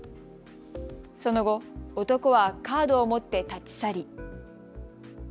その後、男はカードを持って立ち去り。